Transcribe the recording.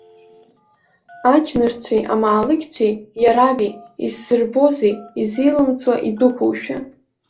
Аџьнышцәеи амаалықьцәеи, иараби, исзырбозеи изеилымҵуа идәықәушәа.